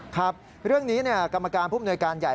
ครับเรื่องนี้กรรมการผู้มนวยการใหญ่